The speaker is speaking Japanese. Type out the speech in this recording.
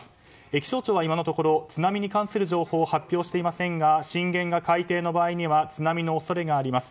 気象庁は今のところ津波に関する情報を発表していませんが震源が海底の場合には津波の恐れがあります。